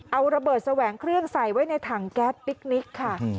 เอาระเบิดแสวงเครื่องใส่ไว้ในถังแก๊สปิ๊กนิกค่ะ